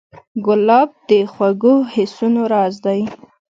ګلاب د خوږو حسونو راز دی.